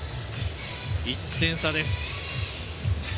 １点差です。